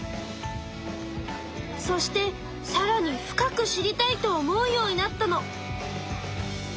そしてさらに深く知りたいと思うようになったの。